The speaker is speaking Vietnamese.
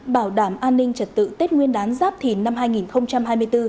bảo đảm an ninh trật tự tết nguyên đán giáp thìn năm hai nghìn hai mươi bốn